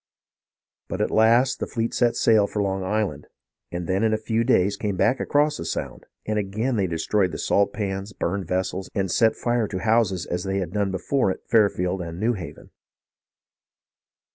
But at last the fleet set sail for Long Island, and then in a few days came back across the Sound, and again they destroyed the salt pans, burned vessels, and set fire to houses as they had done before at Fairfield and New Haven.